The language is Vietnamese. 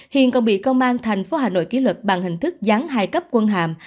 hiền còn bị công an thành phố hà nội ký luật bằng hình thức gián hai cấp quân hàm